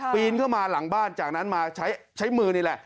ปีนเข้ามาหลังบ้านจากนั้นมาใช้มือนี่แหละ